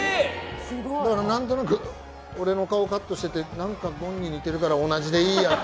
何となく、俺の顔をカットしてて何か、ゴンに似てるから同じでいいやって。